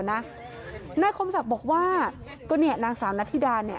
นายคมศักดิ์ก็บอกว่านางสาวนาธิดา